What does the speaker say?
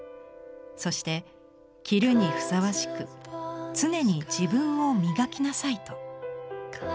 そして着るにふさわしく常に自分を磨きなさいと」。